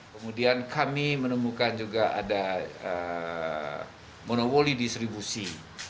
kemudian kami menemukan juga ada monowoli distribusi